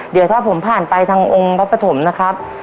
เดี๋ยวถ้าผมผ่านไปทางองค์พระปฐมนะครับ